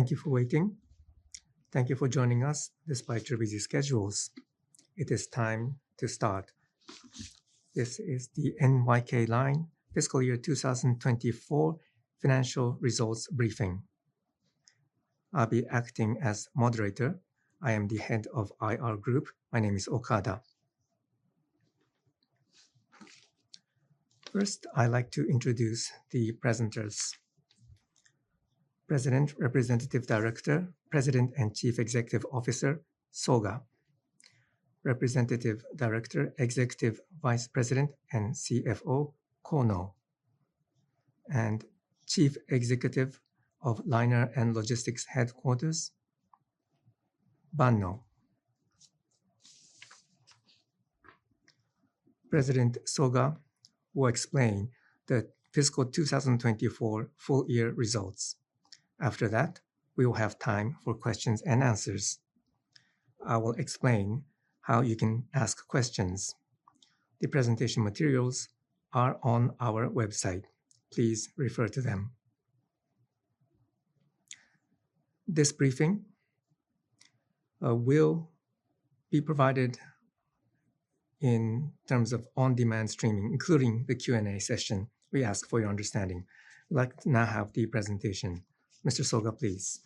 Thank you for waiting. Thank you for joining us despite your busy schedules. It is time to start. This is the NYK Line, Fiscal Year 2024 Financial Results Briefing. I'll be acting as moderator. I am the head of IR Group. My name is Okada. First, I'd like to introduce the presenters. President, Representative Director, President and Chief Executive Officer, Soga. Representative Director, Executive Vice President and CFO, Kono. And Chief Executive of Liner and Logistics Headquarters, Banno. President Soga will explain the fiscal 2024 full year results. After that, we will have time for questions and answers. I will explain how you can ask questions. The presentation materials are on our website. Please refer to them. This briefing will be provided in terms of on-demand streaming, including the Q&A session. We ask for your understanding. Let's now have the presentation. Mr. Soga, please.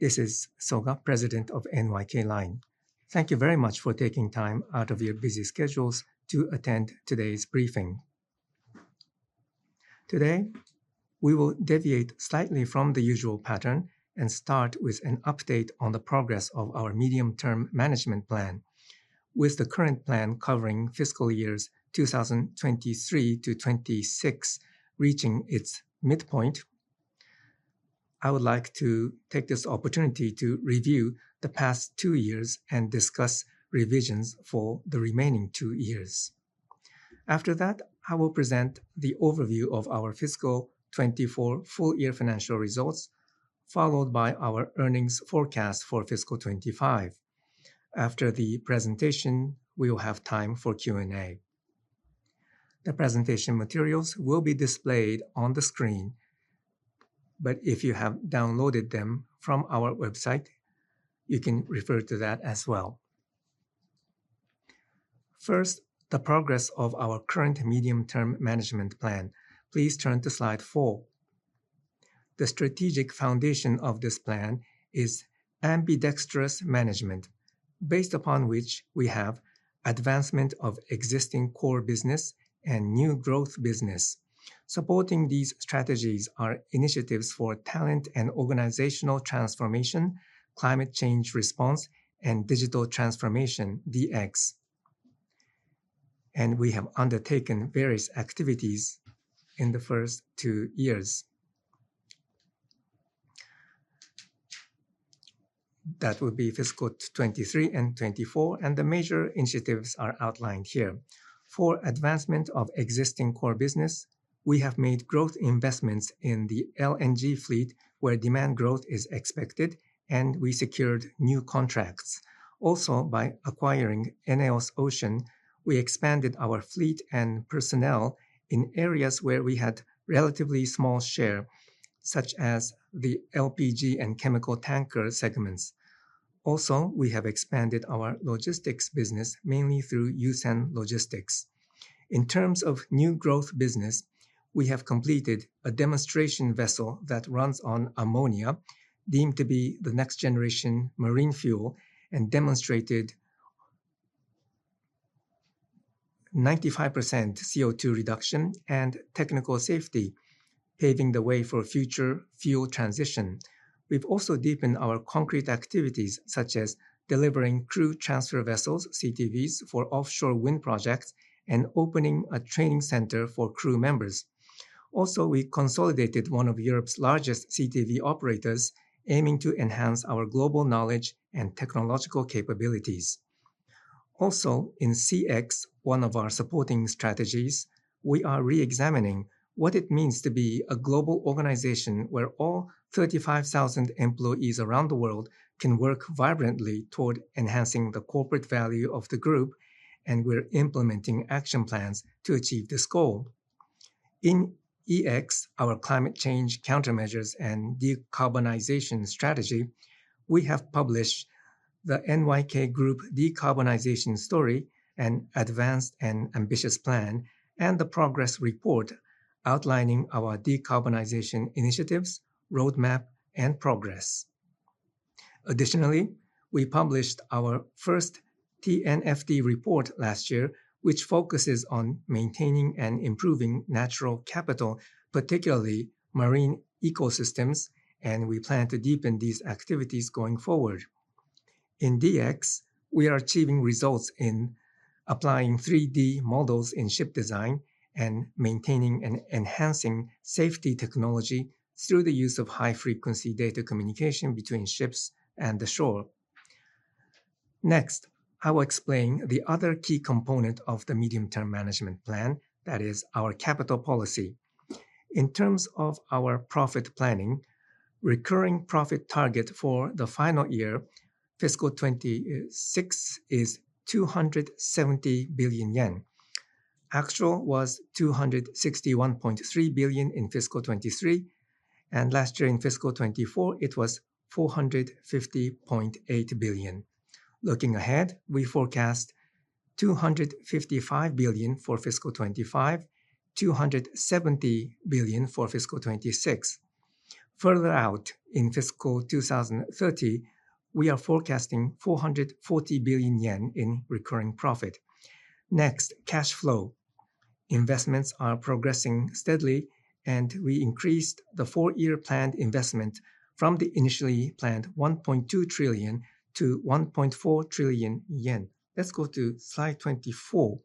This is Soga, President of NYK Line. Thank you very much for taking time out of your busy schedules to attend today's briefing. Today, we will deviate slightly from the usual pattern and start with an update on the progress of our Medium-Term Management Plan. With the current plan covering fiscal years 2023 to 2026 reaching its midpoint, I would like to take this opportunity to review the past two years and discuss revisions for the remaining two years. After that, I will present the overview of our fiscal 24 full year financial results, followed by our earnings forecast for fiscal 25. After the presentation, we will have time for Q&A. The presentation materials will be displayed on the screen, but if you have downloaded them from our website, you can refer to that as well. First, the progress of our current Medium-Term Management Plan. Please turn to slide four. The strategic foundation of this plan is Ambidextrous Management, based upon which we have advancement of existing core business and new growth business. Supporting these strategies are initiatives for talent and organizational transformation, climate change response, and digital transformation, DX. And we have undertaken various activities in the first two years. That would be fiscal 2023 and 2024, and the major initiatives are outlined here. For advancement of existing core business, we have made growth investments in the LNG fleet where demand growth is expected, and we secured new contracts. Also, by acquiring ENEOS Ocean, we expanded our fleet and personnel in areas where we had a relatively small share, such as the LPG and chemical tanker segments. Also, we have expanded our Logistics business mainly through Yusen Logistics. In terms of new growth business, we have completed a demonstration vessel that runs on ammonia, deemed to be the next generation marine fuel, and demonstrated 95% CO2 reduction and technical safety, paving the way for future fuel transition. We've also deepened our concrete activities, such as delivering crew transfer vessels, CTVs, for offshore wind projects and opening a training center for crew members. Also, we consolidated one of Europe's largest CTV operators, aiming to enhance our global knowledge and technological capabilities. Also, in CX, one of our supporting strategies, we are re-examining what it means to be a global organization where all 35,000 employees around the world can work vibrantly toward enhancing the corporate value of the group, and we're implementing action plans to achieve this goal. In EX, our climate change countermeasures and decarbonization strategy, we have published the NYK Group Decarbonization Story, an advanced and ambitious plan, and the progress report outlining our decarbonization initiatives, roadmap, and progress. Additionally, we published our first TNFD report last year, which focuses on maintaining and improving natural capital, particularly marine ecosystems, and we plan to deepen these activities going forward. In DX, we are achieving results in applying 3D models in ship design and maintaining and enhancing safety technology through the use of high-frequency data communication between ships and the shore. Next, I will explain the other key component of the Medium-Term Management Plan, that is our capital policy. In terms of our profit planning, recurring profit target for the final year, fiscal 2026, is 270 billion yen. Actual was 261.3 billion in fiscal 2023, and last year in fiscal 2024, it was 450.8 billion. Looking ahead, we forecast 255 billion for fiscal 2025, 270 billion for fiscal 2026. Further out in fiscal 2030, we are forecasting 440 billion yen in recurring profit. Next, cash flow. Investments are progressing steadily, and we increased the four-year planned investment from the initially planned 1.2 trillion to 1.4 trillion yen. Let's go to slide 24.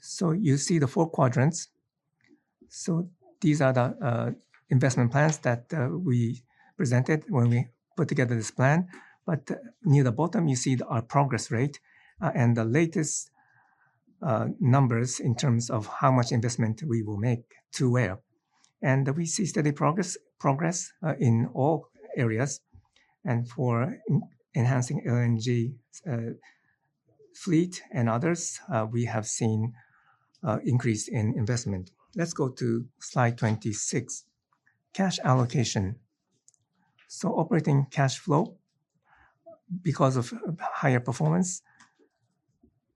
So you see the four quadrants. So these are the investment plans that we presented when we put together this plan. But near the bottom, you see our progress rate and the latest numbers in terms of how much investment we will make to where. And we see steady progress in all areas. And for enhancing LNG fleet and others, we have seen an increase in investment. Let's go to slide 26. Cash allocation. So operating cash flow, because of higher performance,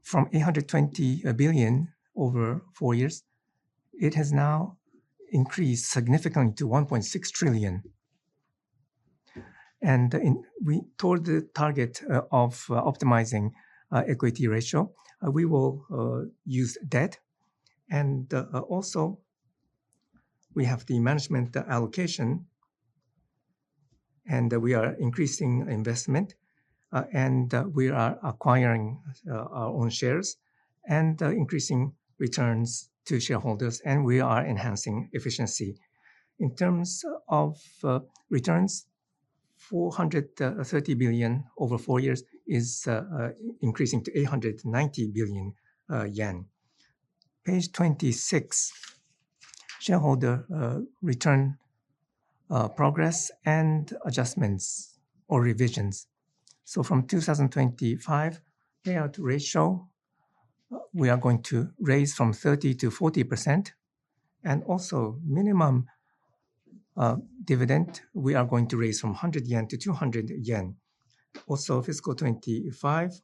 from 820 billion over four years, it has now increased significantly to 1.6 trillion. And toward the target of optimizing equity ratio, we will use debt. And also, we have the Management Allocation, and we are increasing investment, and we are acquiring our own shares and increasing returns to shareholders, and we are enhancing efficiency. In terms of returns, 430 billion over four years is increasing to 890 billion yen. Page 26, shareholder return progress and adjustments or revisions. So from 2025, payout ratio, we are going to raise from 30% to 40%. And also, minimum dividend, we are going to raise from 100 yen to 200 yen. Also, fiscal 2025,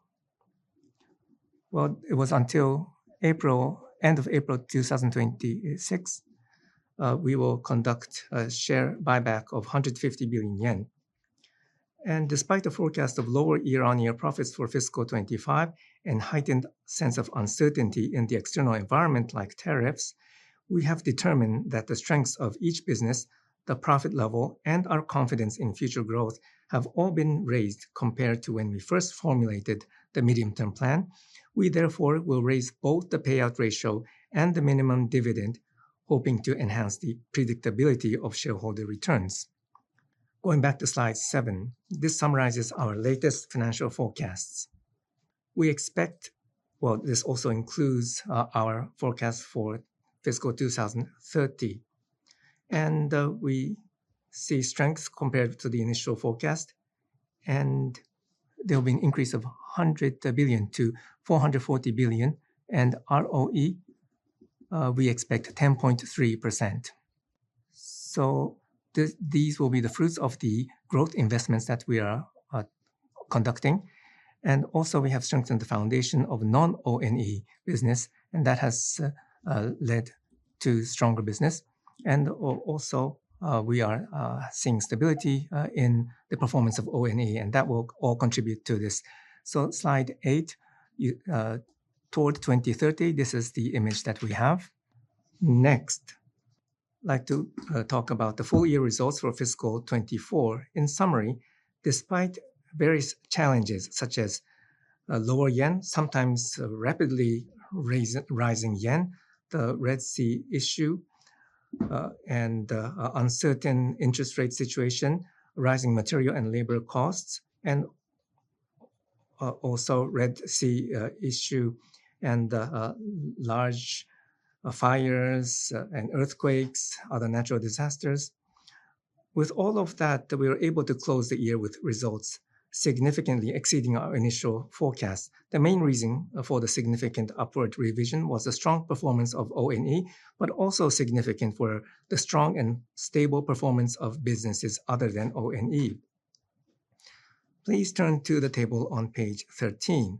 well, it was until end of April 2026, we will conduct a share buyback of 150 billion yen. Despite the forecast of lower year-on-year profits for fiscal 2025 and heightened sense of uncertainty in the external environment like tariffs, we have determined that the strengths of each business, the profit level, and our confidence in future growth have all been raised compared to when we first formulated the medium-term plan. We therefore will raise both the payout ratio and the minimum dividend, hoping to enhance the predictability of shareholder returns. Going back to slide seven, this summarizes our latest financial forecasts. We expect, well, this also includes our forecast for fiscal 2030. We see strengths compared to the initial forecast, and there will be an increase of 100 billion to 440 billion. ROE, we expect 10.3%. These will be the fruits of the growth investments that we are conducting. And also, we have strengthened the foundation of non-ONE business, and that has led to stronger business. And also, we are seeing stability in the performance of ONE, and that will all contribute to this. So slide 8, toward 2030, this is the image that we have. Next, I'd like to talk about the full year results for fiscal 2024. In summary, despite various challenges such as lower yen, sometimes rapidly rising yen, the Red Sea issue, and the uncertain interest rate situation, rising material and labor costs, and also Red Sea issue and large fires and earthquakes, other natural disasters. With all of that, we were able to close the year with results significantly exceeding our initial forecast. The main reason for the significant upward revision was the strong performance of ONE, but also significant for the strong and stable performance of businesses other than ONE. Please turn to the table on page 13.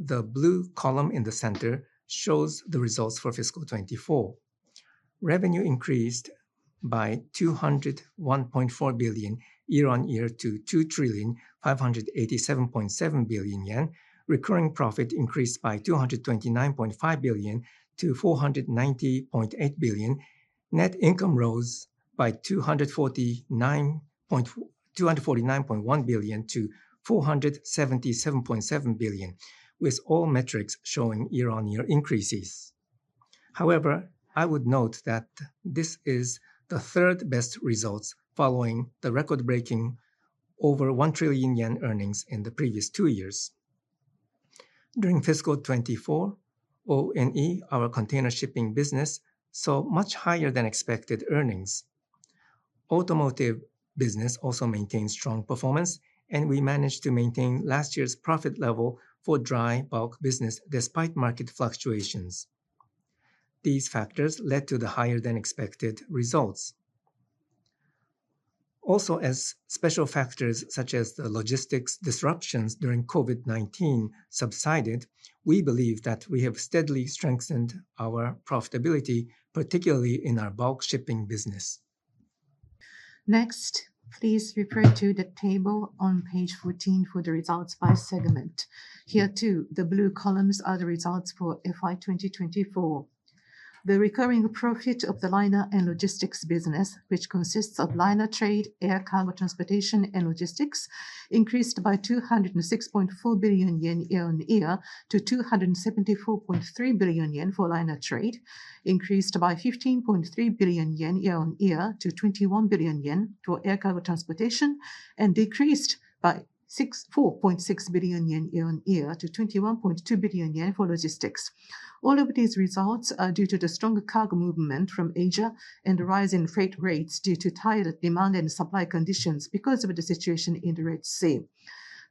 The blue column in the center shows the results for fiscal 2024. Revenue increased by 201.4 billion year-on-year to 2 trillion 587.7 billion. Recurring profit increased by 229.5 billion-490.8 billion. Net income rose by 249.1 billion to 477.7 billion, with all metrics showing year-on-year increases. However, I would note that this is the third-best results following the record-breaking over 1 trillion yen earnings in the previous two years. During fiscal 2024, ONE, our container shipping business, saw much higher than expected earnings. Automotive business also maintained strong performance, and we managed to maintain last year's profit level for Dry Bulk business despite market fluctuations. These factors led to the higher than expected results. Also, as special factors such as the Logistics disruptions during COVID-19 subsided, we believe that we have steadily strengthened our profitability, particularly in our bulk shipping business. Next, please refer to the table on page 14 for the results by segment. Here too, the blue columns are the results for FY 2024. The recurring profit of the Liner and Logistics business, which consists of Liner Trade, Air Cargo Transportation, and Logistics, increased by 206.4 billion yen year-on-year to 274.3 billion yen for Liner Trade, increased by 15.3 billion yen year-on-year to 21 billion yen for Air Cargo Transportation, and decreased by 4.6 billion yen year-on-year to 21.2 billion yen for Logistics. All of these results are due to the strong cargo movement from Asia and the rising freight rates due to tighter demand and supply conditions because of the situation in the Red Sea.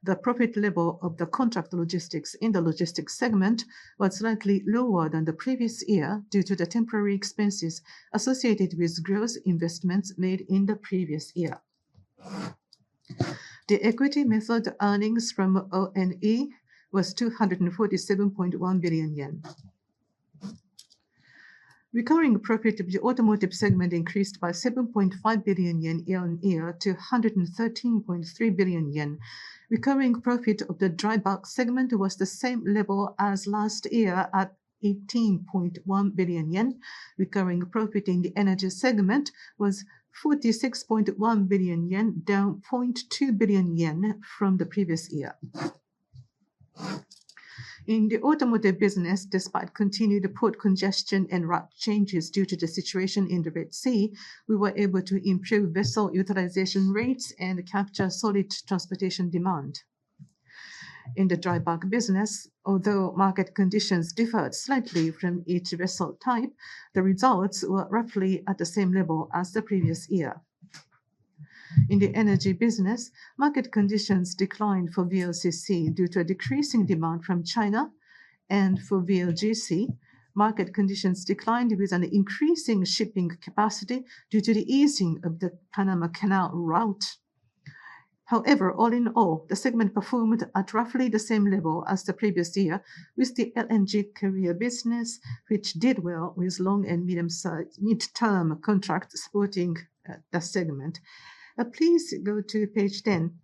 The profit level of the Contract Logistics in the Logistics segment was slightly lower than the previous year due to the temporary expenses associated with growth investments made in the previous year. The equity method earnings from ONE was 247.1 billion yen. Recurring profit of the Automotive segment increased by 7.5 billion yen year-on-year to 113.3 billion yen. Recurring profit of the Dry Bulk segment was the same level as last year at 18.1 billion yen. Recurring profit in the Energy segment was 46.1 billion yen, down 0.2 billion yen from the previous year. In the Automotive business, despite continued port congestion and route changes due to the situation in the Red Sea, we were able to improve vessel utilization rates and capture solid transportation demand. In the Dry Bulk business, although market conditions differed slightly from each vessel type, the results were roughly at the same level as the previous year. In the Energy business, market conditions declined for VLCC due to a decreasing demand from China, and for VLGC, market conditions declined with an increasing shipping capacity due to the easing of the Panama Canal route. However, all in all, the segment performed at roughly the same level as the previous year, with the LNG carrier business, which did well with long and mid-term contracts supporting the segment. Please go to page 10.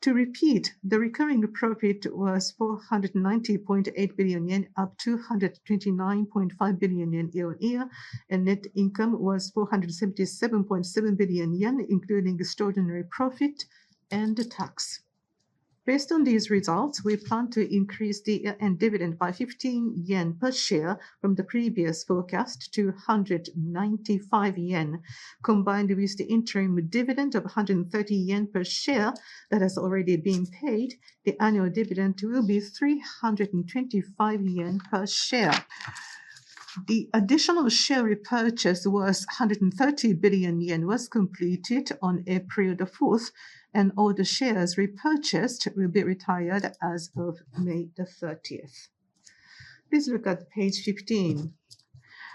To repeat, the recurring profit was 490.8 billion yen, up 229.5 billion yen year-on-year, and net income was 477.7 billion yen, including extraordinary profit and tax. Based on these results, we plan to increase the dividend by 15 yen per share from the previous forecast to 195 yen. Combined with the interim dividend of 130 yen per share that has already been paid, the annual dividend will be 325 yen per share. The additional share repurchase of 130 billion yen was completed on April the 4th, and all the shares repurchased will be retired as of May the 30th. Please look at page 15.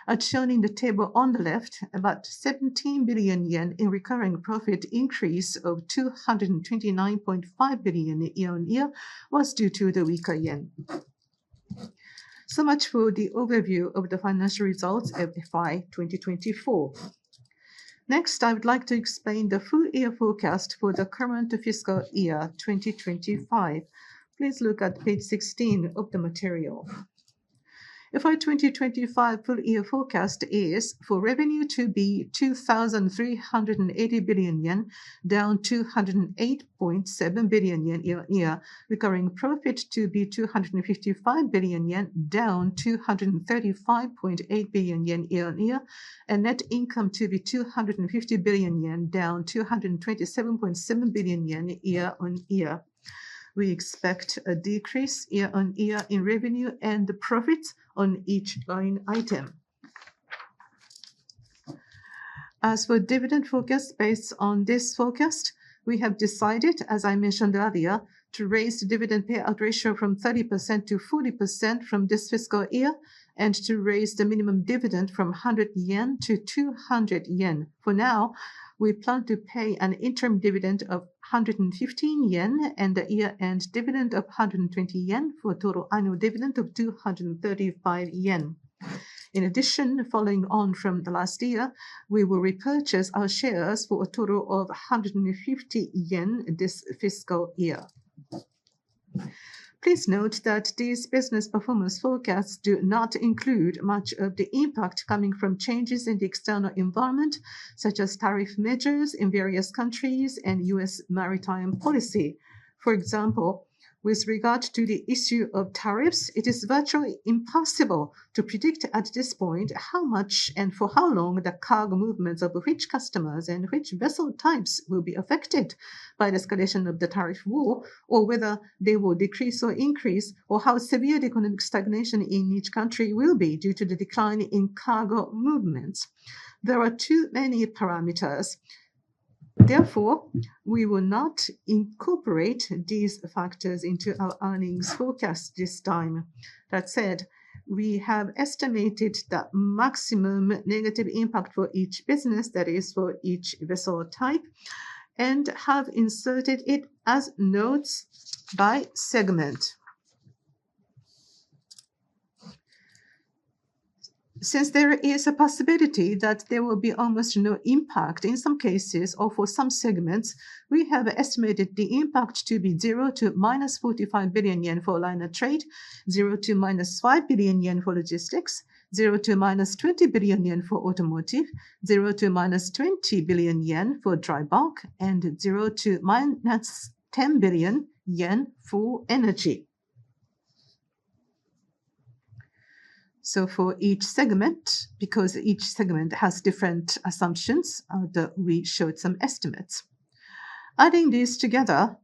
As shown in the table on the left, about 17 billion yen in recurring profit increase of 229.5 billion year-on-year was due to the weaker yen. So much for the overview of the financial results of FY 2024. Next, I would like to explain the full year forecast for the current fiscal year 2025. Please look at page 16 of the material. FY 2025 full year forecast is for revenue to be 2,380 billion yen, down 208.7 billion yen year-on-year, recurring profit to be 255 billion yen, down 235.8 billion yen year-on-year, and net income to be 250 billion yen, down 227.7 billion yen year-on-year. We expect a decrease year-on-year in revenue and the profits on each line item. As for dividend forecast, based on this forecast, we have decided, as I mentioned earlier, to raise the dividend payout ratio from 30% to 40% from this fiscal year and to raise the minimum dividend from 100 yen to 200 yen. For now, we plan to pay an interim dividend of 115 yen and a year-end dividend of 120 yen for a total annual dividend of 235 yen. In addition, following on from the last year, we will repurchase our shares for a total of 150 yen this fiscal year. Please note that these business performance forecasts do not include much of the impact coming from changes in the external environment, such as tariff measures in various countries and U.S. maritime policy. For example, with regard to the issue of tariffs, it is virtually impossible to predict at this point how much and for how long the cargo movements of which customers and which vessel types will be affected by the escalation of the tariff war, or whether they will decrease or increase, or how severe the economic stagnation in each country will be due to the decline in cargo movements. There are too many parameters. Therefore, we will not incorporate these factors into our earnings forecast this time. That said, we have estimated the maximum negative impact for each business, that is, for each vessel type, and have inserted it as notes by segment. Since there is a possibility that there will be almost no impact in some cases or for some segments, we have estimated the impact to be 0 to -45 billion yen for Liner Trade, 0 to -5 billion yen for Logistics, 0 to -20 billion yen for Automotive, 0 to -20 billion yen for Dry Bulk, and 0 to -10 billion yen for Energy. So for each segment, because each segment has different assumptions, we showed some estimates. Adding these together,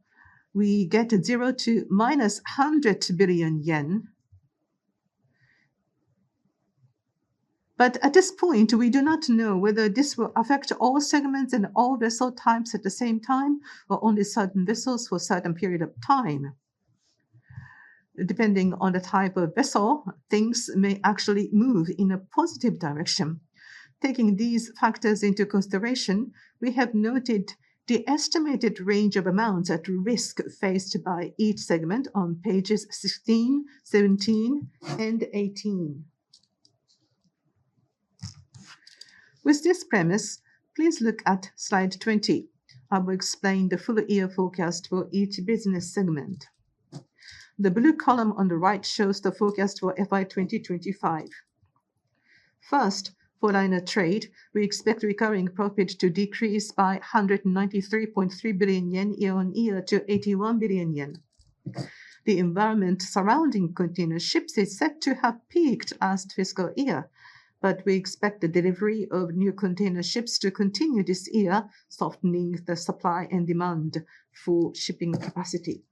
we get 0 to -100 billion yen. But at this point, we do not know whether this will affect all segments and all vessel types at the same time or only certain vessels for a certain period of time. Depending on the type of vessel, things may actually move in a positive direction. Taking these factors into consideration, we have noted the estimated range of amounts at risk faced by each segment on pages 16, 17, and 18. With this premise, please look at slide 20. I will explain the full year forecast for each business segment. The blue column on the right shows the forecast for FY 2025. First, for Liner Trade, we expect recurring profit to decrease by 193.3 billion yen year-on-year to 81 billion yen. The environment surrounding container ships is set to have peaked as fiscal year, but we expect the delivery of new container ships to continue this year, softening the supply and demand for shipping capacity.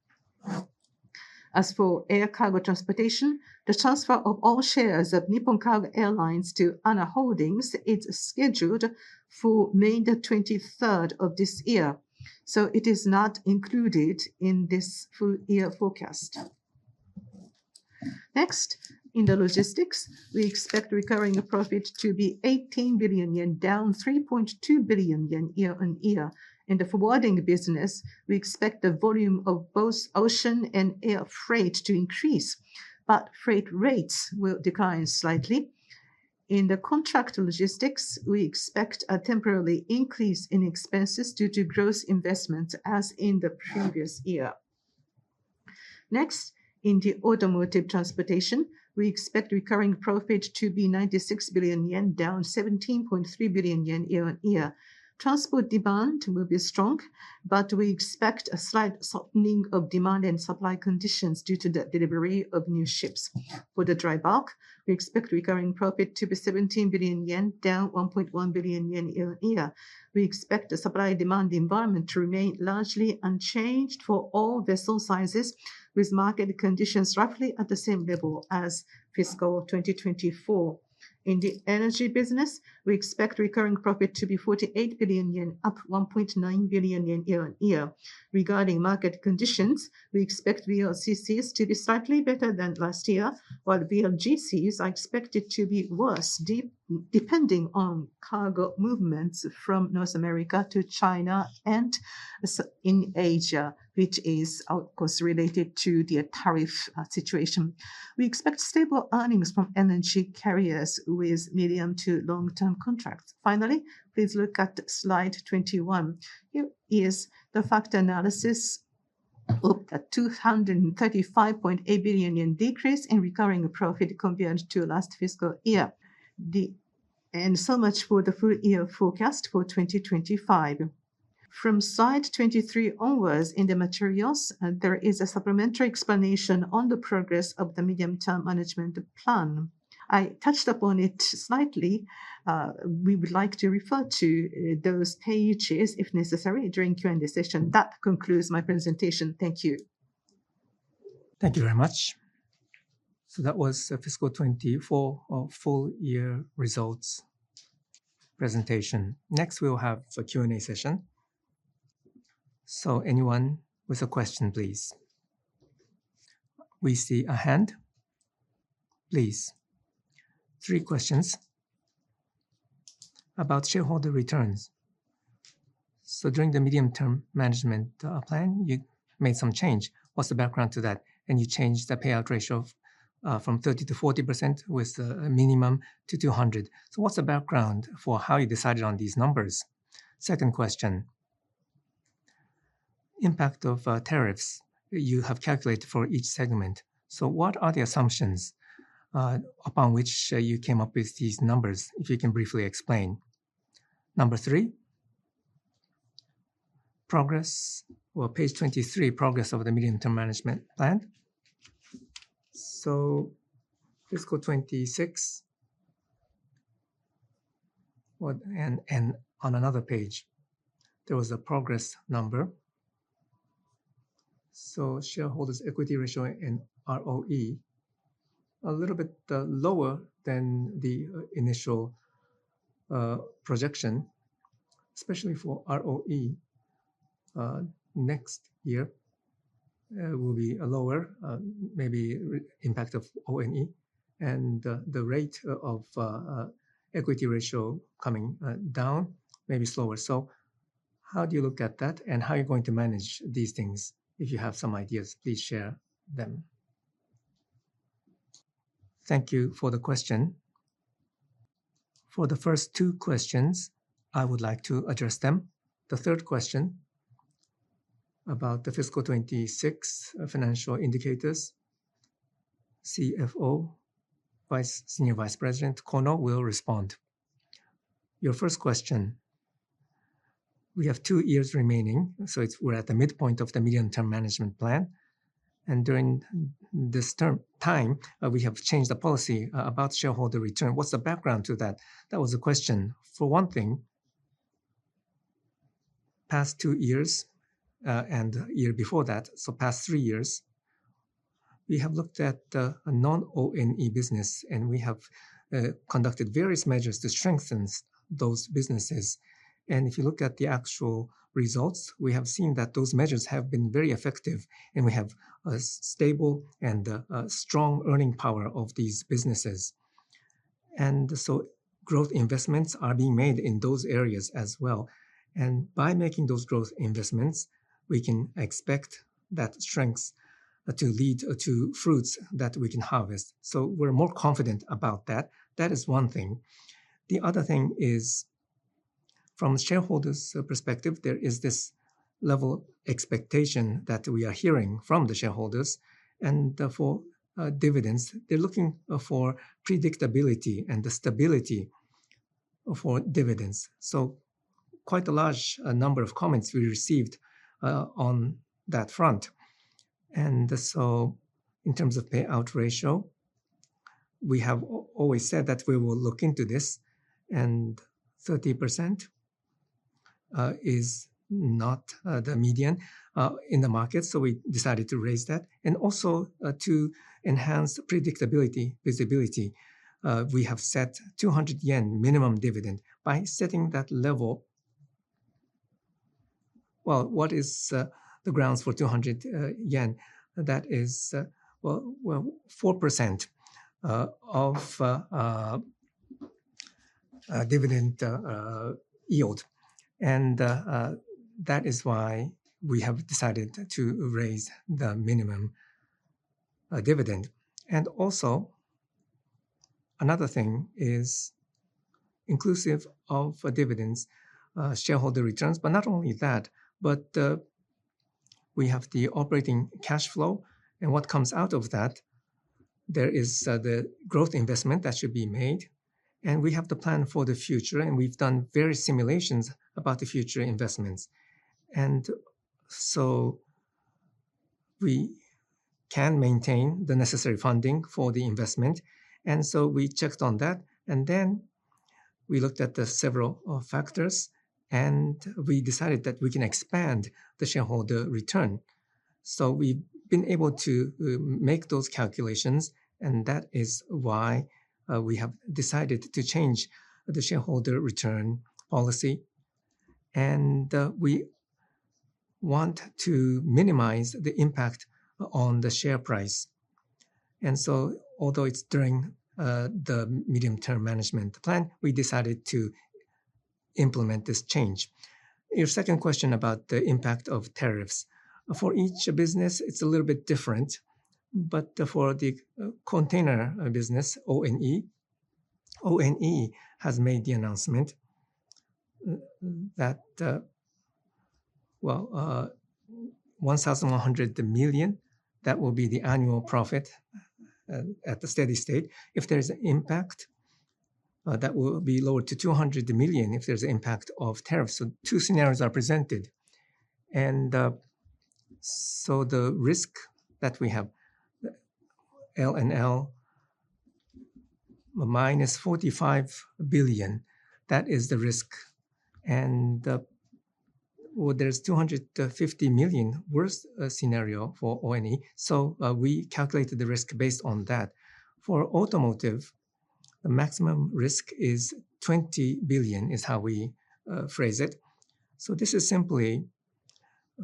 As for Air Cargo Transportation, the transfer of all shares of Nippon Cargo Airlines to ANA Holdings is scheduled for May the 23rd of this year, so it is not included in this full year forecast. Next, in the Logistics, we expect recurring profit to be 18 billion yen, down 3.2 billion yen year-on-year. In the forwarding business, we expect the volume of both ocean and air freight to increase, but freight rates will decline slightly. In the Contract Logistics, we expect a temporary increase in expenses due to growth investment, as in the previous year. Next, in the Automotive transportation, we expect recurring profit to be 96 billion yen, down 17.3 billion yen year-on-year. Transport demand will be strong, but we expect a slight softening of demand and supply conditions due to the delivery of new ships. For the Dry Bulk, we expect recurring profit to be 17 billion yen, down 1.1 billion yen year-on-year. We expect the supply-demand environment to remain largely unchanged for all vessel sizes, with market conditions roughly at the same level as fiscal 2024. In the Energy business, we expect recurring profit to be 48 billion yen, up 1.9 billion yen year-on-year. Regarding market conditions, we expect VLCCs to be slightly better than last year, while VLGCs are expected to be worse, depending on cargo movements from North America to China and in Asia, which is, of course, related to the tariff situation. We expect stable earnings from Energy carriers with medium to long-term contracts. Finally, please look at slide 21. Here is the fact analysis of the 235.8 billion yen decrease in recurring profit compared to last fiscal year, and so much for the full year forecast for 2025. From slide 23 onwards, in the materials, there is a supplementary explanation on the progress of the Medium-Term Management Plan. I touched upon it slightly. We would like to refer to those pages if necessary during Q&A session. That concludes my presentation. Thank you. Thank you very much. So that was the fiscal 2024 full year results presentation. Next, we'll have a Q&A session. So anyone with a question, please. We see a hand. Please. Three questions about shareholder returns. So during the Medium-Term Management Plan, you made some change. What's the background to that? And you changed the payout ratio from 30% to 40% with a minimum to 200. So what's the background for how you decided on these numbers? Second question. Impact of tariffs you have calculated for each segment. So what are the assumptions upon which you came up with these numbers, if you can briefly explain? Number three. Progress. Well, page 23, progress of the Medium-Term Management Plan. So fiscal 2026. And on another page, there was a progress number. So shareholders' equity ratio and ROE a little bit lower than the initial projection, especially for ROE. Next year will be lower, maybe impact of ONE and the rate of equity ratio coming down, maybe slower. So how do you look at that and how are you going to manage these things? If you have some ideas, please share them. Thank you for the question. For the first two questions, I would like to address them. The third question about the fiscal 2026 financial indicators, CFO Senior Vice President Kono will respond. Your first question. We have two years remaining, so we're at the midpoint of the Medium-Term Management Plan. And during this time, we have changed the policy about shareholder return. What's the background to that? That was a question. For one thing, past two years and the year before that, so past three years, we have looked at non-ONE business, and we have conducted various measures to strengthen those businesses. If you look at the actual results, we have seen that those measures have been very effective, and we have a stable and strong earning power of these businesses. So growth investments are being made in those areas as well. And by making those growth investments, we can expect that strength to lead to fruits that we can harvest. So we're more confident about that. That is one thing. The other thing is, from shareholders' perspective, there is this level of expectation that we are hearing from the shareholders. And for dividends, they're looking for predictability and the stability for dividends. So quite a large number of comments we received on that front. And so in terms of payout ratio, we have always said that we will look into this, and 30% is not the median in the market. So we decided to raise that. To enhance predictability, visibility, we have set 200 yen minimum dividend by setting that level. What is the grounds for 200 yen? That is, well, 4% dividend yield. That is why we have decided to raise the minimum dividend. Another thing is inclusive of dividends, shareholder returns, but not only that, but we have the operating cash flow. What comes out of that? There is the growth investment that should be made. We have the plan for the future, and we've done various simulations about the future investments. We can maintain the necessary funding for the investment. We checked on that. We looked at the several factors, and we decided that we can expand the shareholder return. We've been able to make those calculations, and that is why we have decided to change the shareholder return policy. We want to minimize the impact on the share price. Although it's during the Medium-term Management Plan, we decided to implement this change. Your second question about the impact of tariffs. For each business, it's a little bit different. But for the container business, ONE, ONE has made the announcement that, well, 1,100 million, that will be the annual profit at the steady state. If there is an impact, that will be lowered to 200 million if there's an impact of tariffs. Two scenarios are presented. The risk that we have, L&L -45 billion, that is the risk. There's 250 million worst scenario for ONE. We calculated the risk based on that. For Automotive, the maximum risk is 20 billion, is how we phrase it. So this is simply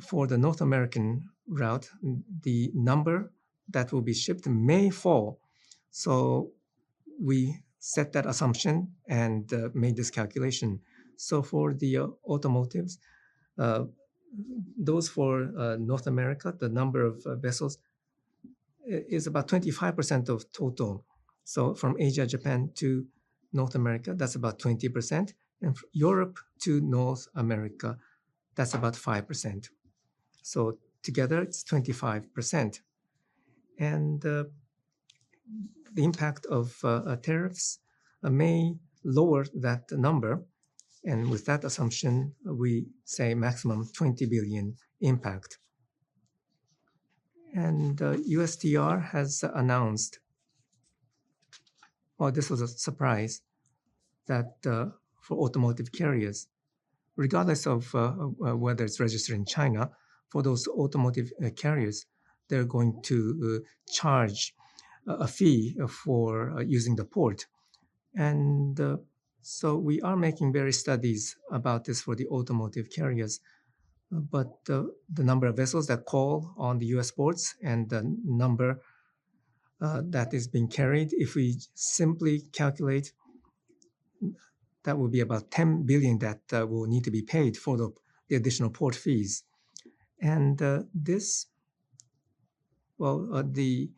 for the North American route. The number that will be shipped may fall. So we set that assumption and made this calculation. So for the Automotives, those for North America, the number of vessels is about 25% of total. So from Asia, Japan to North America, that's about 20%. And Europe to North America, that's about 5%. So together, it's 25%. And the impact of tariffs may lower that number. And with that assumption, we say maximum 20 billion impact. And USTR has announced, well, this was a surprise, that for Automotive carriers, regardless of whether it's registered in China, for those Automotive carriers, they're going to charge a fee for using the port. And so we are making various studies about this for the Automotive carriers. The number of vessels that call on the U.S. ports and the number that is being carried, if we simply calculate, that will be about 10 billion that will need to be paid for the additional port fees. This, well, the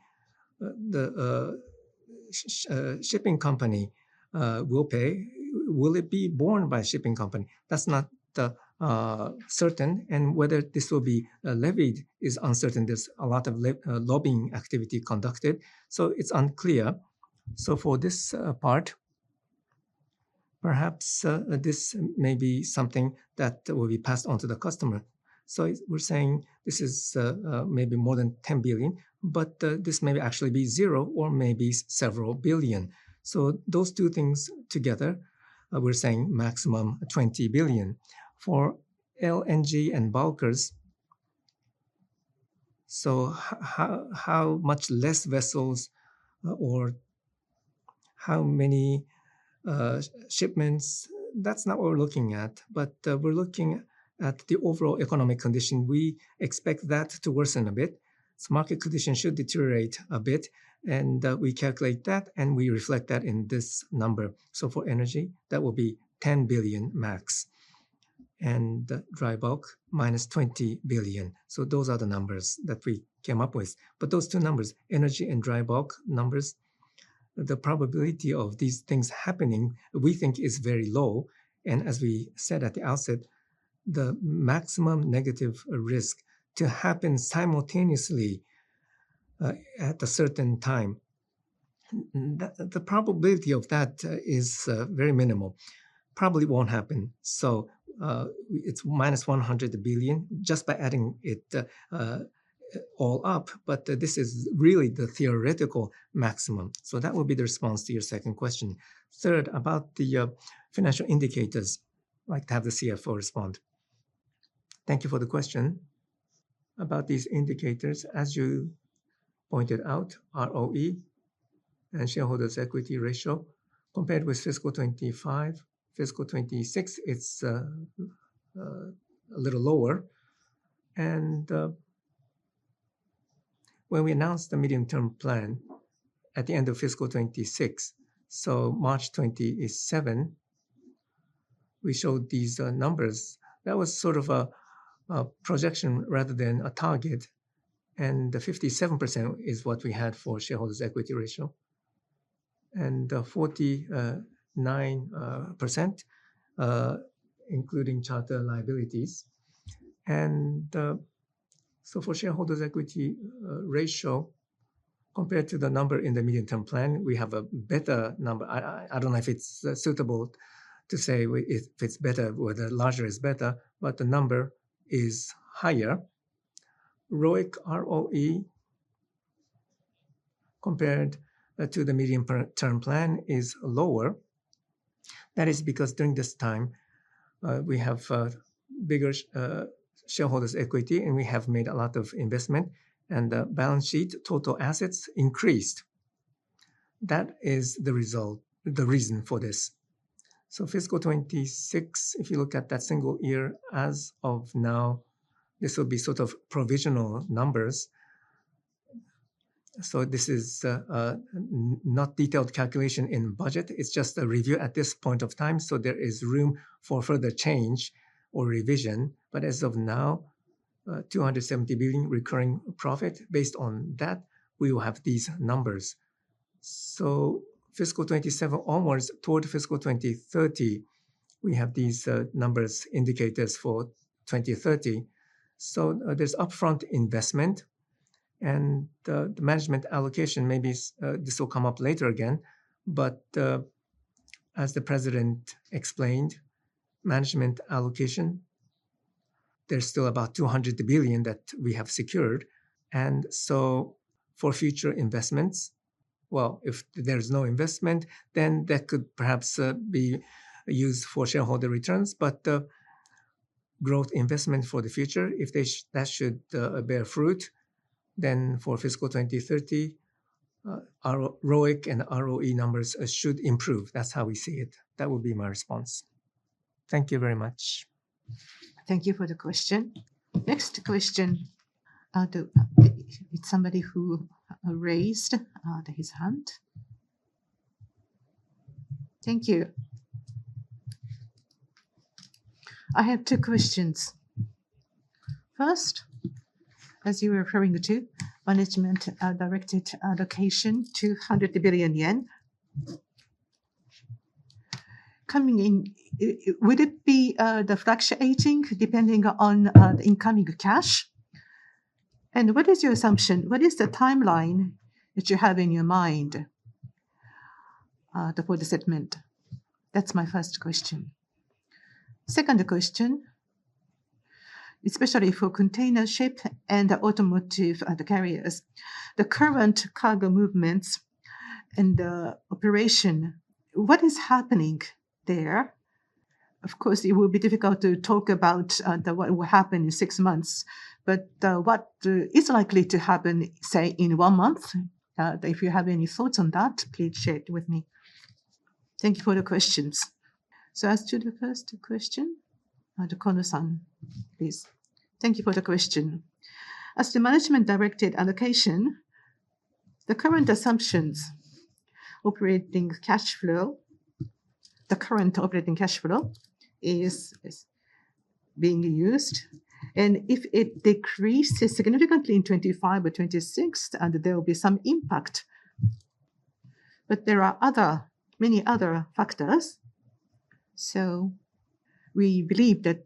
shipping company will pay. Will it be borne by a shipping company? That's not certain. Whether this will be levied is uncertain. There's a lot of lobbying activity conducted. It's unclear. For this part, perhaps this may be something that will be passed on to the customer. We're saying this is maybe more than 10 billion, but this may actually be zero or maybe several billion. Those two things together, we're saying maximum 20 billion. For LNG and bulkers, so how much less vessels or how many shipments, that's not what we're looking at. We're looking at the overall economic condition. We expect that to worsen a bit, so market conditions should deteriorate a bit, and we calculate that and reflect that in this number, so for Energy, that will be 10 billion max, and Dry Bulk -20 billion. So those are the numbers that we came up with, but those two numbers, Energy and Dry Bulk numbers, the probability of these things happening, we think is very low, and as we said at the outset, the maximum negative risk to happen simultaneously at a certain time, the probability of that is very minimal. Probably won't happen, so it's -100 billion just by adding it all up, but this is really the theoretical maximum, so that will be the response to your second question. Third, about the financial indicators, I'd like to have the CFO respond. Thank you for the question. About these indicators, as you pointed out, ROE and shareholders' equity ratio compared with fiscal 25 fiscal 26, it's a little lower. When we announced the medium-term plan at the end of fiscal 26, so March 27, we showed these numbers. That was sort of a projection rather than a target. The 57% is what we had for shareholders' equity ratio. The 49%, including charter liabilities. For shareholders' equity ratio, compared to the number in the medium-term plan, we have a better number. I don't know if it's suitable to say if it's better or the larger is better, but the number is higher. ROIC, ROE compared to the medium-term plan is lower. That is because during this time, we have bigger shareholders' equity, and we have made a lot of investment, and the balance sheet, total assets increased. That is the result, the reason for this. So fiscal 26, if you look at that single year as of now, this will be sort of provisional numbers. So this is not a detailed calculation in budget. It's just a review at this point of time. So there is room for further change or revision. But as of now, 270 billion recurring profit. Based on that, we will have these numbers. So fiscal 27 onwards toward fiscal 2030, we have these numbers, indicators for 2030. So there's upfront investment. And the Management Allocation, maybe this will come up later again. But as the president explained, Management Allocation, there's still about 200 billion that we have secured. And so for future investments, well, if there's no investment, then that could perhaps be used for shareholder returns. But growth investment for the future, if that should bear fruit, then for fiscal 2030, ROIC and ROE numbers should improve. That's how we see it. That would be my response. Thank you very much. Thank you for the question. Next question, it's somebody who raised his hand. Thank you. I have two questions. First, as you were referring to, Management Directed Allocation, JPY 200 billion. Coming in, would it be the fractionating depending on the incoming cash? And what is your assumption? What is the timeline that you have in your mind for the segment? That's my first question. Second question, especially for container ship and Automotive carriers, the current cargo movements and the operation, what is happening there? Of course, it will be difficult to talk about what will happen in six months. But what is likely to happen, say, in one month? If you have any thoughts on that, please share it with me. Thank you for the questions, so as to the first question, the Kono-san, please. Thank you for the question. As to Management Directed Allocation, the current assumptions, operating cash flow, the current operating cash flow is being used. And if it decreases significantly in 2025 or 2026, there will be some impact, but there are many other factors, so we believe that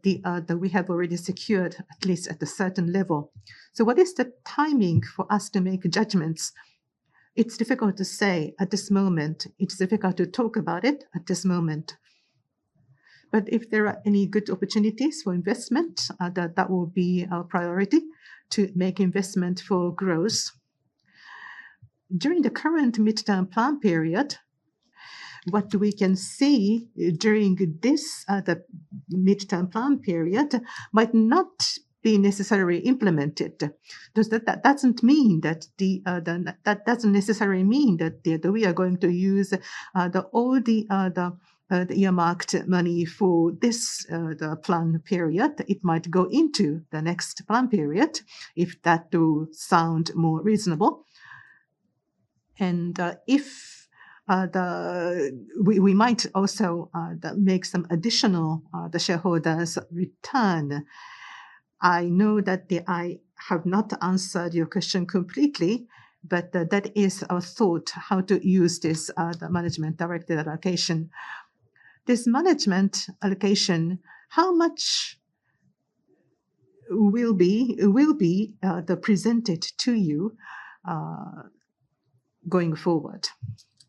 we have already secured, at least at a certain level, so what is the timing for us to make judgments? It's difficult to say at this moment. It's difficult to talk about it at this moment. But if there are any good opportunities for investment, that will be our priority to make investment for growth. During the current midterm plan period, what we can see during this midterm plan period might not be necessarily implemented. That doesn't mean that we are going to use all the earmarked money for this plan period. It might go into the next plan period, if that does sound more reasonable. We might also make some additional shareholders' return. I know that I have not answered your question completely, but that is our thought, how to use this Management Directed Allocation. This management allocation, how much will be presented to you going forward?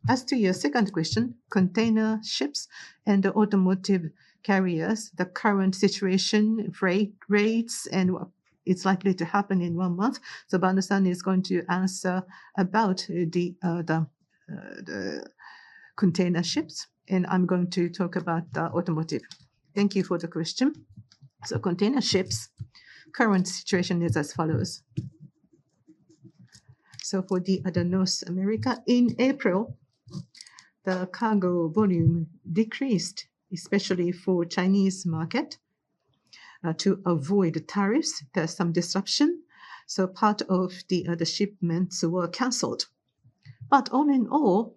As to your second question, container ships and Automotive carriers, the current situation, rates, and what is likely to happen in one month. Banno-san is going to answer about the container ships. I'm going to talk about Automotive. Thank you for the question. Container ships, current situation is as follows. For North America, in April, the cargo volume decreased, especially for the Chinese market. To avoid tariffs, there's some disruption. So part of the shipments were canceled. But all in all,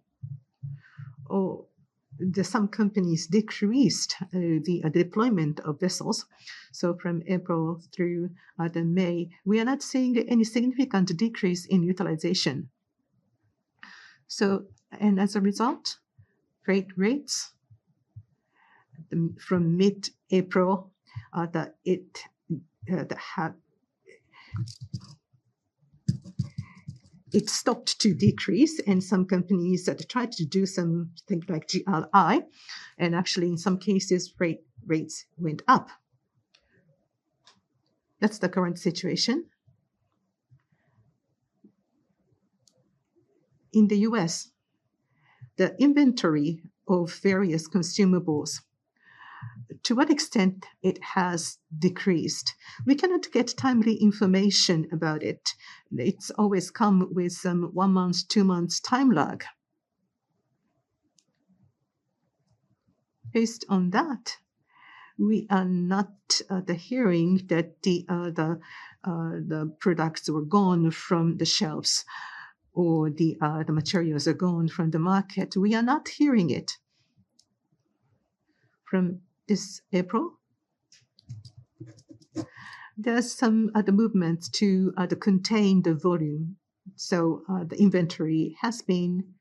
some companies decreased the deployment of vessels. So from April through May, we are not seeing any significant decrease in utilization. And as a result, freight rates from mid-April, it stopped to decrease. And some companies tried to do something like GRI. And actually, in some cases, freight rates went up. That's the current situation. In the U.S., the inventory of various consumables, to what extent it has decreased, we cannot get timely information about it. It's always come with some one-month, two-month time lag. Based on that, we are not hearing that the products were gone from the shelves or the materials are gone from the market. We are not hearing it. From this April, there's some movement to contain the volume. So the inventory has been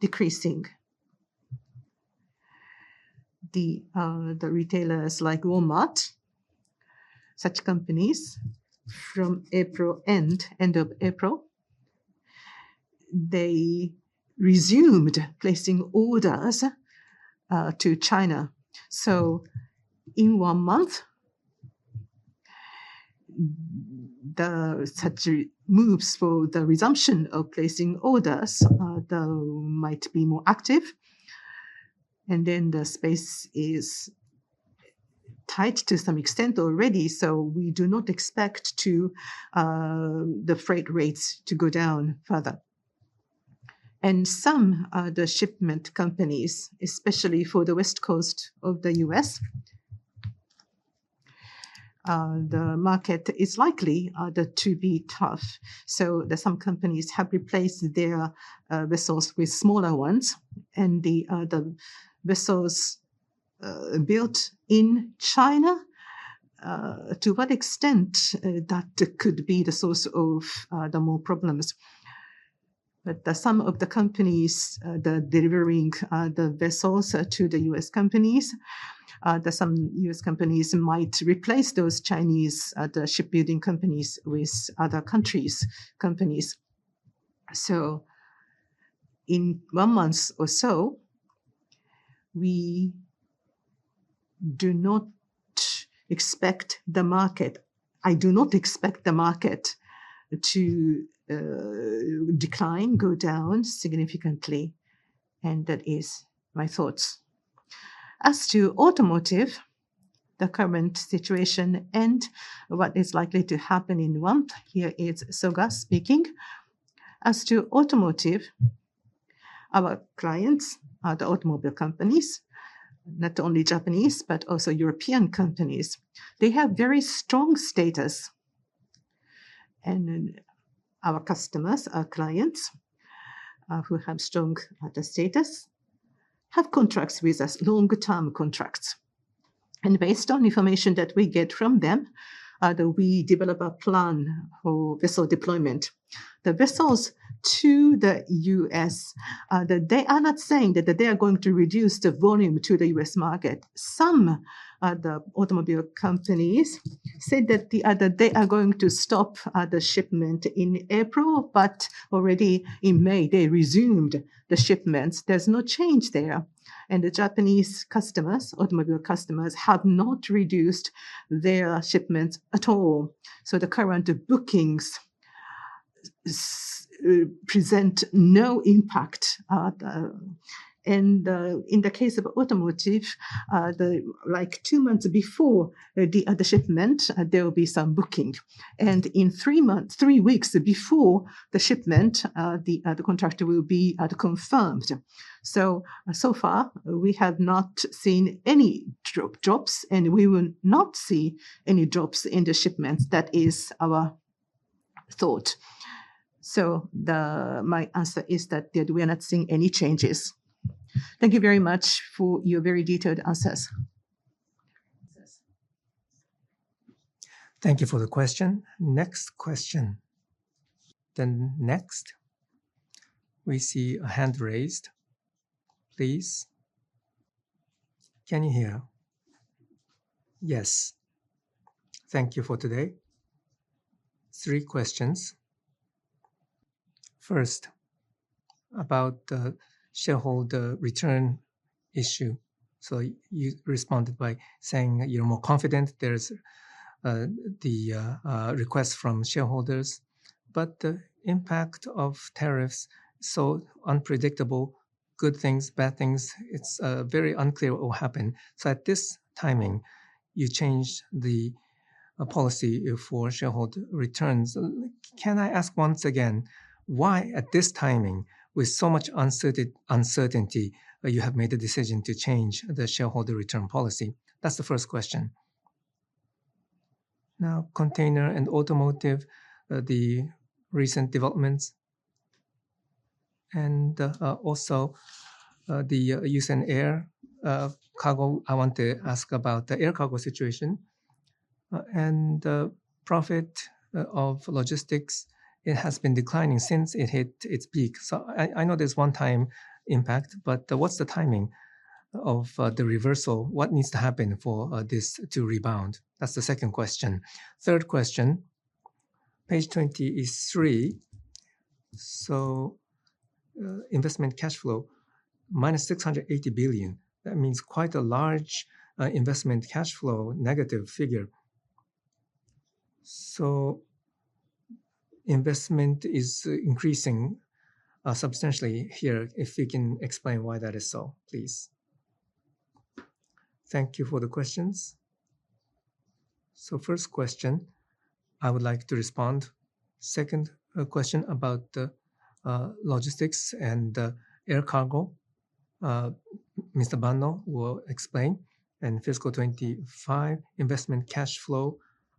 decreasing. The retailers like Walmart, such companies, from April end, end of April, they resumed placing orders to China. So in one month, such moves for the resumption of placing orders might be more active. And then the space is tight to some extent already. So we do not expect the freight rates to go down further. And some of the shipment companies, especially for the West Coast of the U.S., the market is likely to be tough. So some companies have replaced their vessels with smaller ones. And the vessels built in China, to what extent that could be the source of the more problems. But some of the companies delivering the vessels to the U.S. companies, some U.S. companies might replace those Chinese shipbuilding companies with other countries' companies. In one month or so, we do not expect the market. I do not expect the market to decline, go down significantly. That is my thoughts. As to Automotive, the current situation and what is likely to happen in one month, here is Soga speaking. As to Automotive, our clients, the Automobile companies, not only Japanese, but also European companies, they have very strong status. And our customers, our clients, who have strong status, have contracts with us, long-term contracts. And based on information that we get from them, we develop a plan for vessel deployment. The vessels to the U.S., they are not saying that they are going to reduce the volume to the U.S. market. Some of the Automobile companies said that they are going to stop the shipment in April, but already in May, they resumed the shipments. There's no change there. The Japanese customers, Automobile customers, have not reduced their shipments at all. So the current bookings present no impact. And in the case of Automotive, like two months before the shipment, there will be some booking. And in three weeks before the shipment, the contractor will be confirmed. So far, we have not seen any drops, and we will not see any drops in the shipments. That is our thought. So my answer is that we are not seeing any changes. Thank you very much for your very detailed answers. Thank you for the question. Next question. Then next, we see a hand raised. Please. Can you hear? Yes. Thank you for today. Three questions. First, about the shareholder return issue. So you responded by saying you're more confident there's the request from shareholders. But the impact of tariffs, so unpredictable, good things, bad things, it's very unclear what will happen. So at this timing, you changed the policy for shareholder returns. Can I ask once again why at this timing, with so much uncertainty, you have made a decision to change the shareholder return policy? That's the first question. Now, container and Automotive, the recent developments. And also Yusen and air cargo, I want to ask about the air cargo situation. And the profit of Logistics, it has been declining since it hit its peak. So I know there's one-time impact, but what's the timing of the reversal? What needs to happen for this to rebound? That's the second question. Third question, page 23. So investment cash flow, -680 billion. That means quite a large investment cash flow negative figure. So investment is increasing substantially here. If you can explain why that is so, please. Thank you for the questions. So first question, I would like to respond. Second question about the Logistics and air cargo. Mr. Banno will explain. And fiscal 25, investment cash flow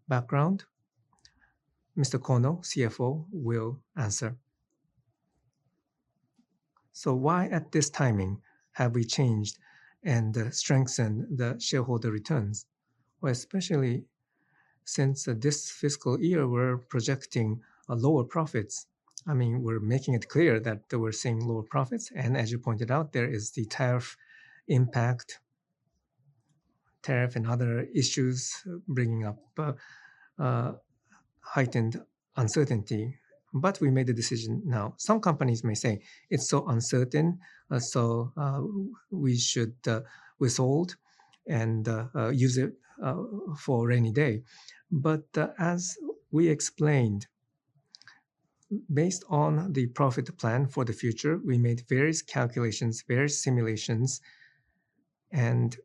background. Mr. Kono, CFO, will answer. So why at this timing have we changed and strengthened the shareholder returns? Especially since this fiscal year, we're projecting lower profits. I mean, we're making it clear that we're seeing lower profits. And as you pointed out, there is the tariff impact, tariff and other issues bringing up heightened uncertainty. But we made a decision now. Some companies may say it's so uncertain, so we should withhold and use it for rainy day. But as we explained, based on the profit plan for the future, we made various calculations, various simulations. And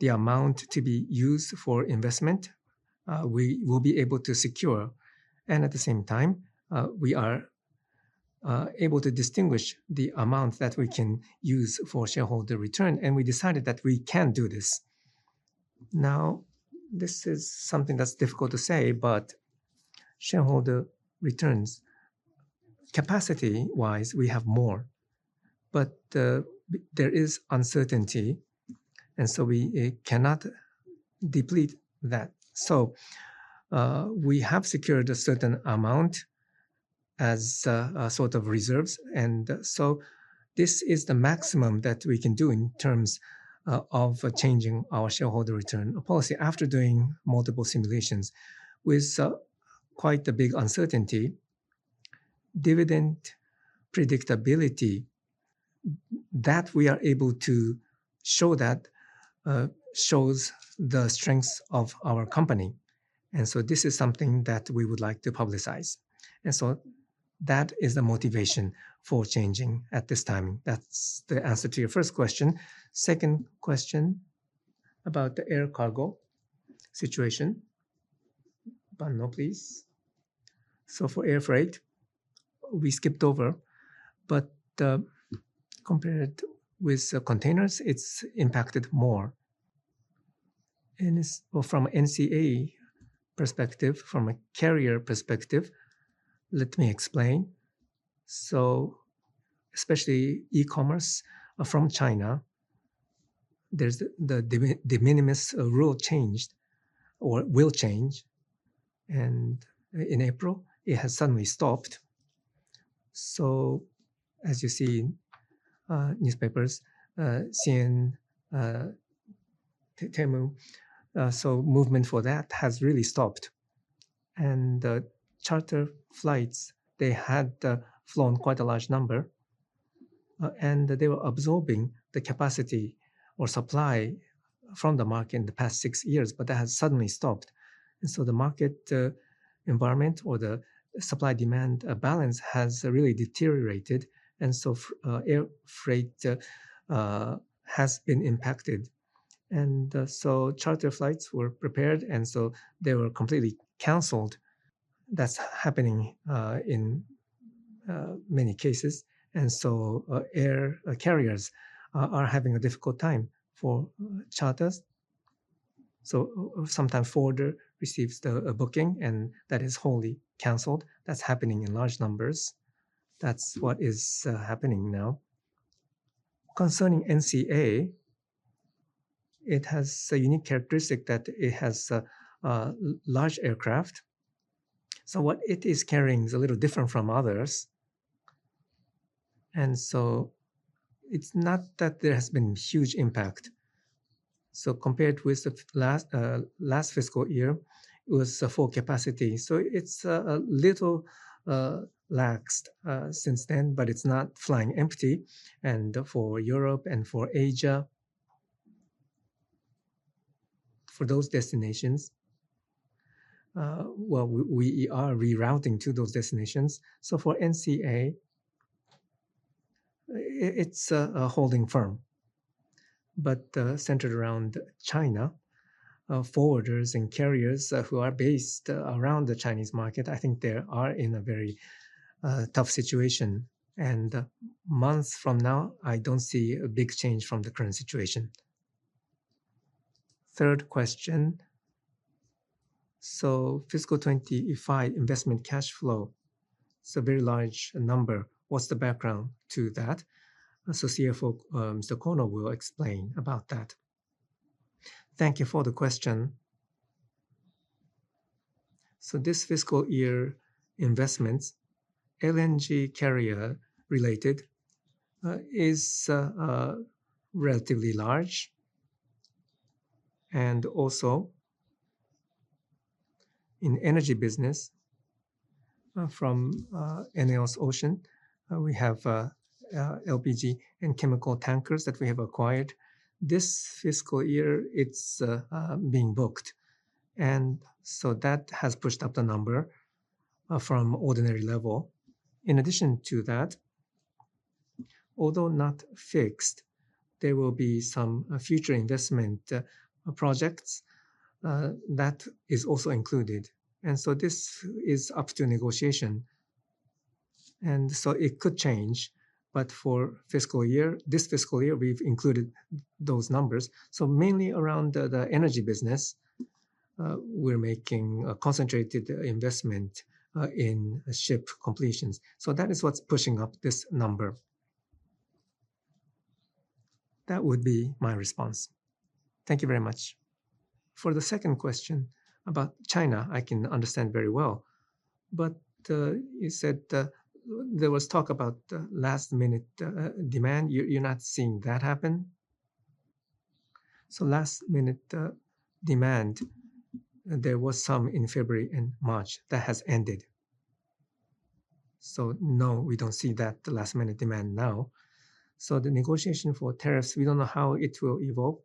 the amount to be used for investment, we will be able to secure. And at the same time, we are able to distinguish the amount that we can use for shareholder return. And we decided that we can do this. Now, this is something that's difficult to say, but shareholder returns, capacity-wise, we have more. But there is uncertainty. And so we cannot deplete that. So we have secured a certain amount as sort of reserves. And so this is the maximum that we can do in terms of changing our shareholder return policy after doing multiple simulations. With quite a big uncertainty, dividend predictability that we are able to show that shows the strengths of our company. And so this is something that we would like to publicize. And so that is the motivation for changing at this timing. That's the answer to your first question. Second question about the air cargo situation. Banno, please. So for air freight, we skipped over. But compared with containers, it's impacted more. And from an NCA perspective, from a carrier perspective, let me explain. So especially e-commerce from China, there's the de minimis rule changed or will change. And in April, it has suddenly stopped. So as you see newspapers, Shein, Temu, so movement for that has really stopped. And charter flights, they had flown quite a large number. And they were absorbing the capacity or supply from the market in the past six years, but that has suddenly stopped. And so the market environment or the supply-demand balance has really deteriorated. And so air freight has been impacted. And so charter flights were prepared, and so they were completely canceled. That's happening in many cases. And so air carriers are having a difficult time for charters. Sometimes forwarder receives the booking, and that is wholly canceled. That's happening in large numbers. That's what is happening now. Concerning NCA, it has a unique characteristic that it has large aircraft. What it is carrying is a little different from others. It's not that there has been huge impact. Compared with the last fiscal year, it was full capacity. It's a little lax since then, but it's not flying empty. For Europe and for Asia, for those destinations, we are rerouting to those destinations. For NCA, it's a holding firm, but centered around China, forwarders and carriers who are based around the Chinese market. I think they are in a very tough situation. Months from now, I don't see a big change from the current situation. Third question. Fiscal 2025 investment cash flow, it's a very large number. What's the background to that? CFO Mr. Kono will explain about that. Thank you for the question. This fiscal year investments, LNG carrier related, is relatively large. Also in Energy business, from ENEOS Ocean, we have LPG and chemical tankers that we have acquired. This fiscal year, it's being booked. That has pushed up the number from ordinary level. In addition to that, although not fixed, there will be some future investment projects that is also included. This is up to negotiation. It could change. For fiscal year, this fiscal year, we've included those numbers. Mainly around the Energy business, we're making a concentrated investment in ship completions. That is what's pushing up this number. That would be my response. Thank you very much. For the second question about China, I can understand very well. But you said there was talk about last-minute demand. You're not seeing that happen. So last-minute demand, there was some in February and March. That has ended. So no, we don't see that last-minute demand now. So the negotiation for tariffs, we don't know how it will evolve.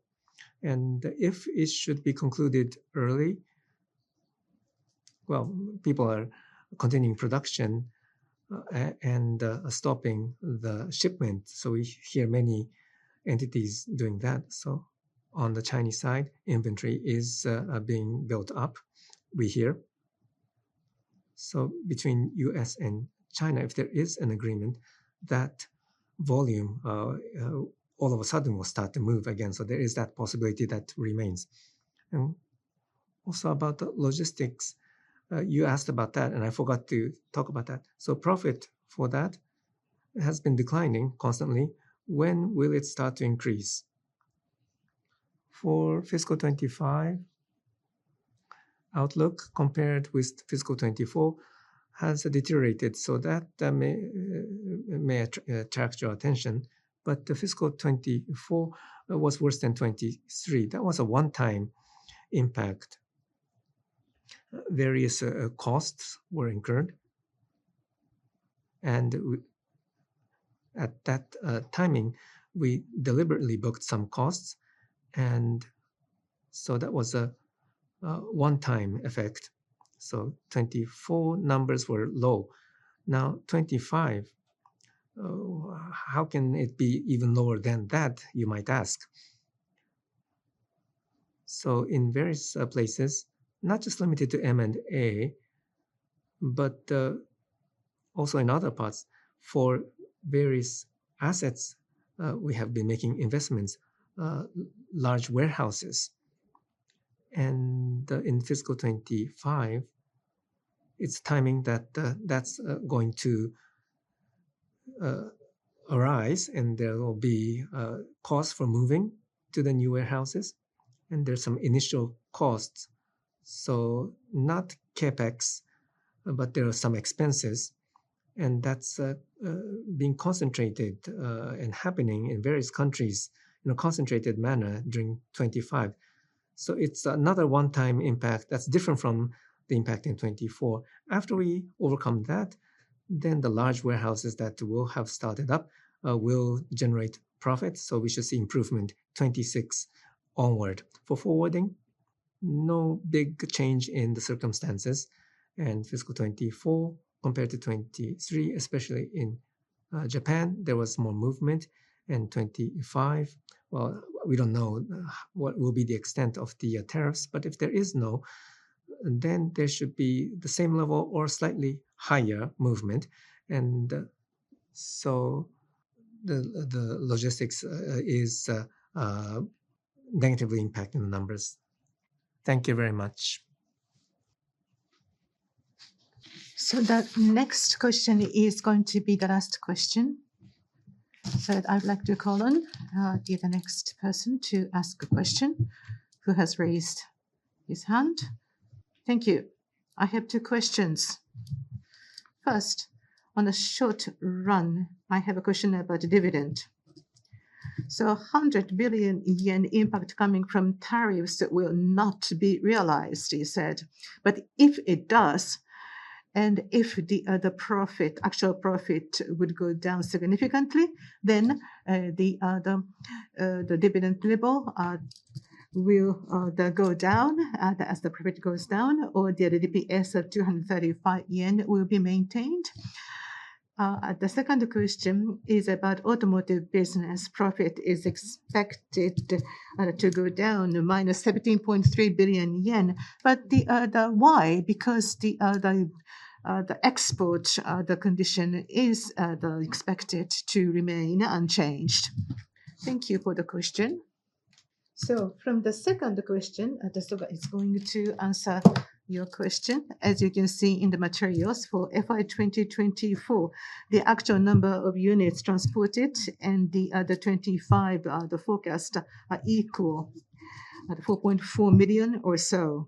And if it should be concluded early, well, people are continuing production and stopping the shipment. So we hear many entities doing that. So on the Chinese side, inventory is being built up, we hear. So between U.S. and China, if there is an agreement, that volume all of a sudden will start to move again. So there is that possibility that remains. And also about the Logistics, you asked about that, and I forgot to talk about that. So profit for that has been declining constantly. When will it start to increase? For fiscal 25, outlook compared with fiscal 24 has deteriorated. So that may attract your attention. But the fiscal 24 was worse than 23. That was a one-time impact. Various costs were incurred. And at that timing, we deliberately booked some costs. And so that was a one-time effect. So 24 numbers were low. Now 25, how can it be even lower than that, you might ask? So in various places, not just limited to M&A, but also in other parts, for various assets, we have been making investments, large warehouses. And in fiscal 25, it's timing that that's going to arise. And there will be costs for moving to the new warehouses. And there's some initial costs. So not CapEx, but there are some expenses. And that's being concentrated and happening in various countries in a concentrated manner during 25. So it's another one-time impact that's different from the impact in 2024. After we overcome that, then the large warehouses that will have started up will generate profits. So we should see improvement 2026 onward. For forwarding, no big change in the circumstances. And fiscal 2024 compared to 2023, especially in Japan, there was more movement. And 2025, well, we don't know what will be the extent of the tariffs. But if there is no, then there should be the same level or slightly higher movement. And so the Logistics is negatively impacting the numbers. Thank you very much. So the next question is going to be the last question. So I'd like to call on the next person to ask a question who has raised his hand. Thank you. I have two questions. First, on a short run, I have a question about dividend. 100 billion yen impact coming from tariffs will not be realized, you said. But if it does, and if the actual profit would go down significantly, then the dividend level will go down as the profit goes down, or the DPS of 235 yen will be maintained. The second question is about Automotive business. Profit is expected to go down -17.3 billion yen. But why? Because the export, the condition is expected to remain unchanged. Thank you for the question. From the second question, Soga is going to answer your question. As you can see in the materials for FY 2024, the actual number of units transported and the FY 25 forecast are equal at 4.4 million or so.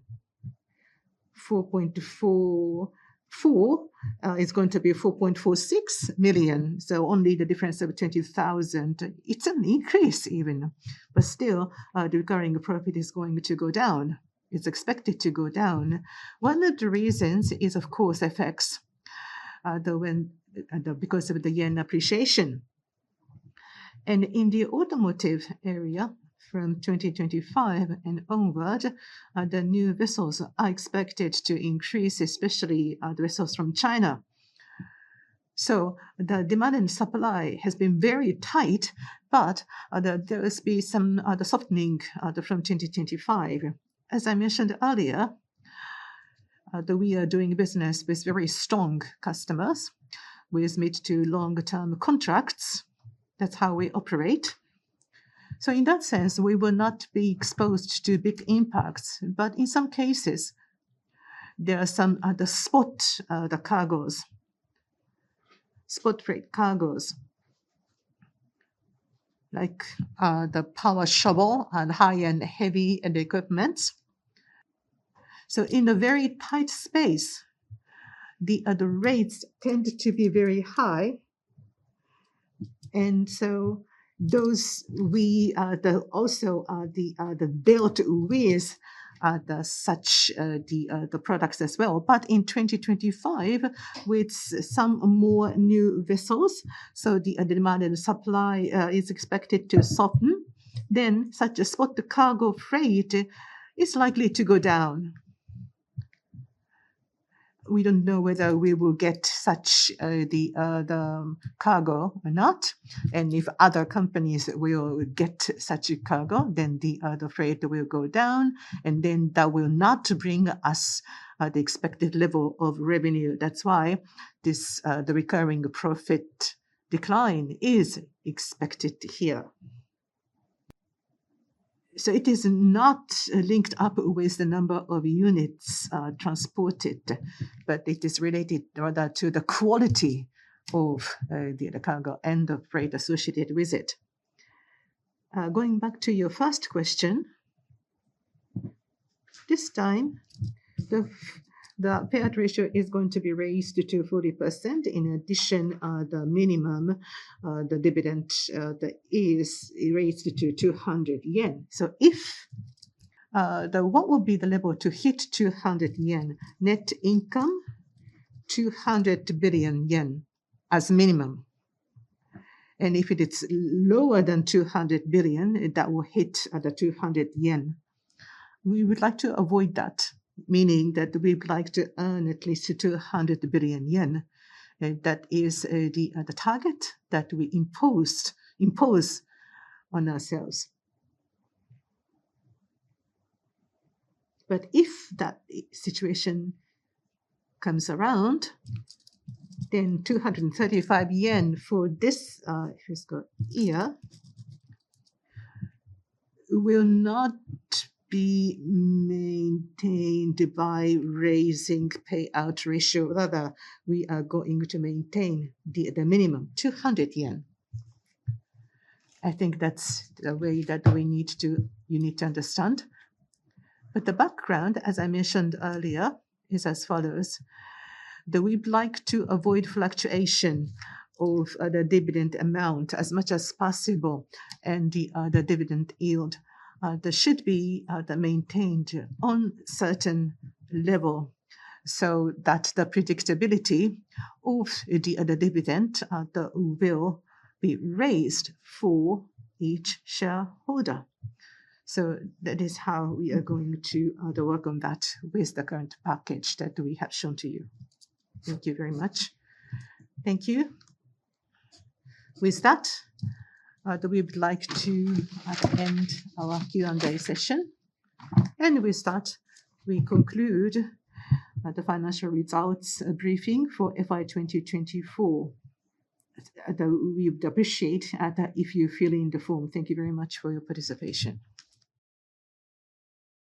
4.44 is going to be 4.46 million. So only the difference of 20,000. It is an increase even. But still, the recurring profit is going to go down. It's expected to go down. One of the reasons is, of course, effects because of the yen appreciation, and in the Automotive area, from 2025 and onward, the new vessels are expected to increase, especially the vessels from China, so the demand and supply has been very tight, but there will be some other softening from 2025. As I mentioned earlier, we are doing business with very strong customers with mid- to long-term contracts. That's how we operate, so in that sense, we will not be exposed to big impacts, but in some cases, there are some other spot cargoes, spot freight cargoes, like the power shovel and high-end heavy equipment, so in a very tight space, the other rates tend to be very high, and so those also are the built for such the products as well. In 2025, with some more new vessels, so the demand and supply is expected to soften, then such a spot cargo freight is likely to go down. We don't know whether we will get such the cargo or not. If other companies will get such a cargo, then the other freight will go down. And then that will not bring us the expected level of revenue. That's why the recurring profit decline is expected here. It is not linked up with the number of units transported, but it is related rather to the quality of the cargo and the freight associated with it. Going back to your first question, this time, the payout ratio is going to be raised to 40%. In addition, the minimum, the dividend is raised to 200 yen. If what will be the level to hit 200 yen net income, 200 billion yen as minimum. If it's lower than 200 billion, that will hit the 200 yen. We would like to avoid that, meaning that we would like to earn at least 200 billion yen. That is the target that we impose on ourselves. If that situation comes around, then 235 yen for this fiscal year will not be maintained by raising payout ratio. Rather, we are going to maintain the minimum, 200 yen. I think that's the way that we need to understand. The background, as I mentioned earlier, is as follows. We'd like to avoid fluctuation of the dividend amount as much as possible. The dividend yield should be maintained on a certain level so that the predictability of the dividend will be raised for each shareholder. So that is how we are going to work on that with the current package that we have shown to you. Thank you very much. Thank you. With that, we would like to end our Q&A session. And with that, we conclude the financial results briefing for FY 2024. We would appreciate if you fill in the form. Thank you very much for your participation.